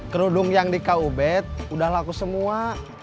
kerudung yang di kubet udah laku semua